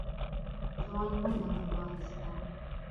ځوان منډه ور واخيسته.